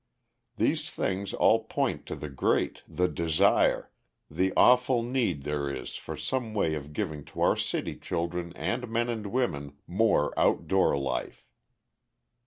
These things all point to the great, the dire, the awful need there is for some way of giving to our city children and men and women more out door life.